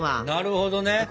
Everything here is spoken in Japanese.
なるほどね。